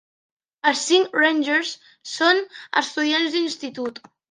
Els cinc "rangers" són estudiants d'institut.